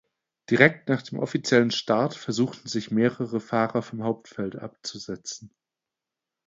Direkt nach dem offiziellen Start versuchten sich mehrere Fahrer vom Hauptfeld abzusetzen.